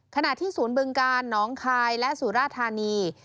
ขณะที่ศูนย์บึงกาลน้องคายและสุราธานี